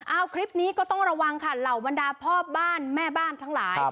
เอาคลิปนี้ก็ต้องระวังค่ะเหล่าบรรดาพ่อบ้านแม่บ้านทั้งหลาย